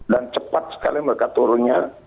dan cepat sekali mereka turunnya